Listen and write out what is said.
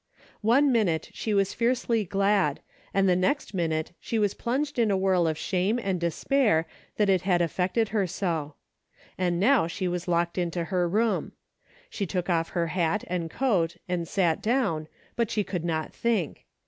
One minute she was fiercely glad, and the next minute she was plunged in a whirl of shame and despair that it had affected her so. And now she was locked into her room. She took off her hat and coat and sat down, but she could not think.